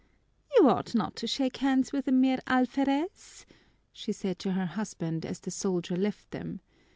"You ought not to shake hands with a mere alferez," she said to her husband as the soldier left them.